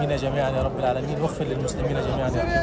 ya allah yang terbaik berhubung dengan muslim